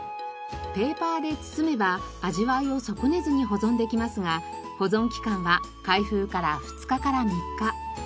ペーパーで包めば味わいを損ねずに保存できますが保存期間は開封から２日から３日。